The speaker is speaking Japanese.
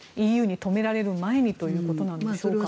ＥＵに止められる前にということなんでしょうか。